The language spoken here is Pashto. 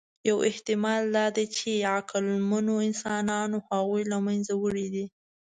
یو احتمال دا دی، چې عقلمنو انسانانو هغوی له منځه وړي دي.